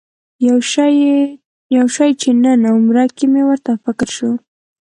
یو شي چې نن عمره کې مې ورته فکر شو.